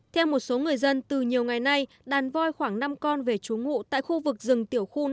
theo một số người dân từ nhiều ngày nay đàn voi khoảng năm con về trú ngụ tại khu vực rừng tiểu khu năm trăm năm mươi